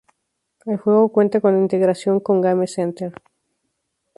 El juego cuenta con la integración con Game Center.